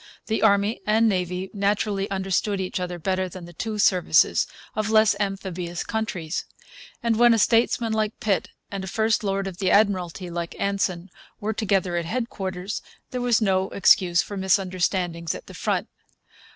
The Army and Navy naturally understood each other better than the two services of less amphibious countries; and when a statesman like Pitt and a first lord of the Admiralty like Anson were together at headquarters there was no excuse for misunderstandings at the front.